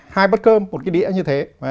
hai bát cơm một cái đĩa như thế